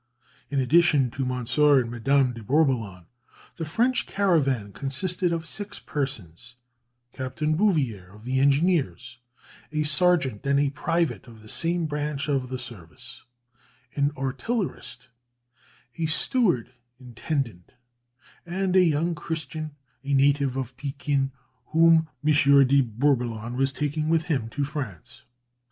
In addition to Monsieur and Madame de Bourboulon, the French caravan consisted of six persons: Captain Bouvier, of the Engineers; a sergeant and a private of the same branch of the service; an artillerist; a steward (intendant); and a young Christian, a native of Pekin, whom M. de Bourboulon was taking with him to France.